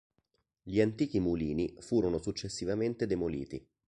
Gli antichi mulini furono successivamente demoliti.